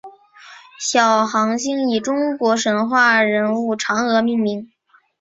小行星以中国神话人物嫦娥命名。